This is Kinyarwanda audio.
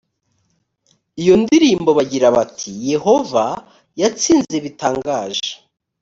iyo ndirimbo bagira bati yehova yatsinze bitangaje